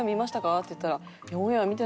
って言ったら。